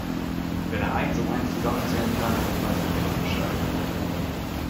Wenn er eins und eins zusammenzählen kann, weiß er längst Bescheid.